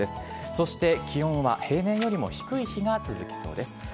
そして気温は平年よりも低い日が続きそうです。